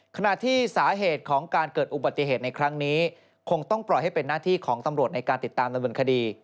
ขณะที่สาเหตุของการเกิดอุบัติเหตุในครั้งนี้คงต้องปล่อยให้เป็นหน้าที่ของตำรวจในการติดตามดำเนินคดี